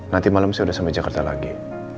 nanti malam saya sudah sampai jakarta lagi